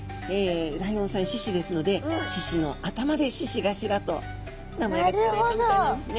ライオンさん獅子ですので獅子の頭で獅子頭と名前が付けられたみたいなんですね。